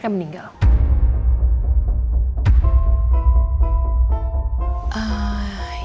dia aime banget keberadaanmu